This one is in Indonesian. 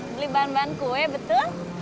beli bahan bahan kue betul